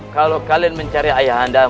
kalau kalian mencari ayah anda